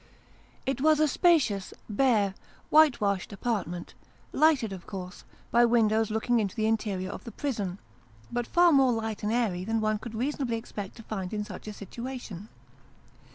It was a spacious, bare, whitewashed apartment, lighted of course, by windows looking into the interior of the prison, but far more light and airy than one could reasonably expect to find in such a situation.